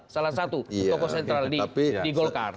salah satu tokoh sentral di golkar